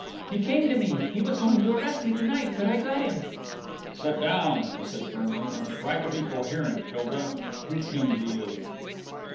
"He came to me, he was going to arrest me to night, but I got him." "Sit down," he said firmly, "and try to be coherent, Hilda. Who came to you?"